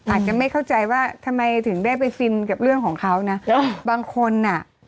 อาจจะไม่เข้าใจว่าทำไมถึงได้ไปฟินกับเรื่องของเขานะบางคนอ่ะ